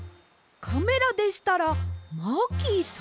カメラでしたらマーキーさん？